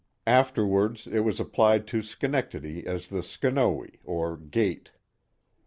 Afterwards it was applied to Schenectady as the Schonowe, or gate.